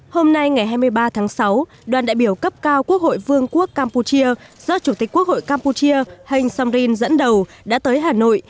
hôm nay ngày hai mươi ba tháng sáu đoàn đại biểu cấp cao quốc hội vương quốc campuchia do chủ tịch quốc hội campuchia heng somrin dẫn đầu đã tới hà nội